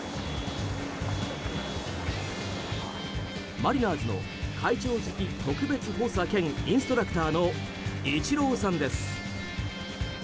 マリナーズの会長付特別補佐兼インストラクターのイチローさんです。